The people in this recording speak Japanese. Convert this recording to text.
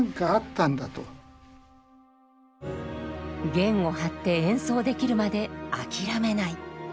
弦を張って演奏できるまで諦めない。